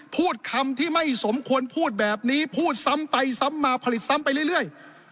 พูดคำที่ไม่สมควรพูดแบบนี้พูดซ้ำไปซ้ำมาผลิตซ้ำไปเรื่อย